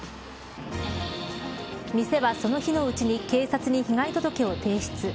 店はその日のうちに警察に被害届を提出。